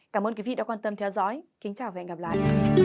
cảm ơn quý vị đã quan tâm theo dõi kính chào và hẹn gặp lại